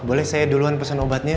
boleh saya duluan pesen obatnya